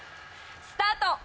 スタート！